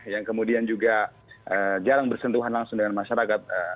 yang kemudian juga jarang bersentuhan langsung dengan masyarakat